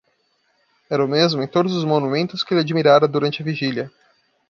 Era o mesmo em todos os monumentos que ele admirara durante a vigília.